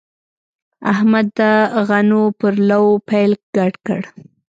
احمد د غنو پر لو پیل ګډ کړ.